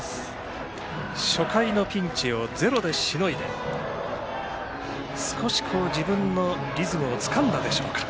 初回のピンチをゼロでしのいで少し自分のリズムをつかんだでしょうか。